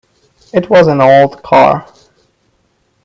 It was an old car.